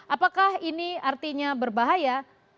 apakah ini artinya berbahaya